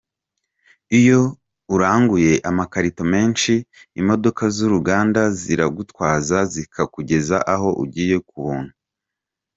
Iyo uranguye amakarito menshi, imodoka z’uruganda ziragutwaza zikakugeza aho ugiye ku buntu.